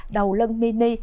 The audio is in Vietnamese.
đầu lân mini